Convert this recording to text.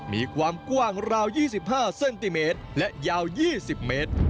มีความกว้างราว๒๕เซนติเมตรและยาว๒๐เมตร